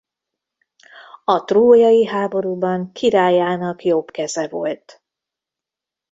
A trójai háborúban királyának jobbkeze volt.